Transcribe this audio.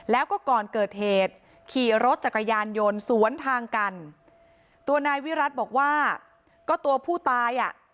แล้วก็ก่อนเกิดเหตุขี่รถจักรยานยนต์สวนทางกันตัวนายวิรัติบอกว่าก็ตัวผู้ตายอ่ะ